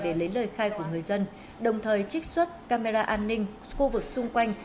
để lấy lời khai của người dân đồng thời trích xuất camera an ninh khu vực xung quanh